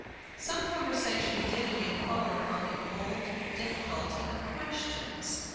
Some conversation did again fall upon the old difficulty of questions.